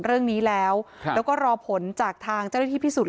เรื่องนี้แล้วก็รอผลจากทางเจ้ที่พิสูจน์